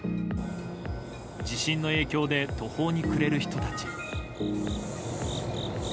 地震の影響で途方に暮れる人たち。